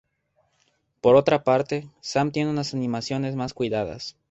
Por otra parte, Sam tiene unas animaciones más cuidadas.